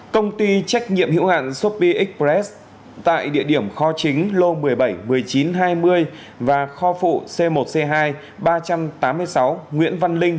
công ty trách nhiệm hữu hạn shopee express tại địa điểm kho chính lô một mươi bảy một mươi chín hai mươi và kho phụ c một c hai ba trăm tám mươi sáu nguyễn văn linh